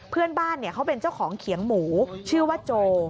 เพื่อนบ้านเขาเป็นเจ้าของเขียงหมูชื่อว่าโจ